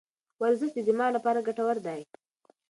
ورزش د دماغ لپاره ګټور دی.